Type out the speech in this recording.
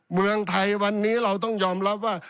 เมืองไทยวันนี้เราต้องยอมรับว่า